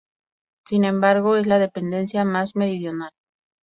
Sin embargo, es la dependencia más meridional.